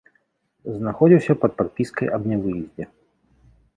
Знаходзіўся пад падпіскай аб нявыездзе.